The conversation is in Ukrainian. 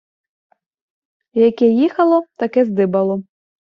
Яке їхало, таке здибало.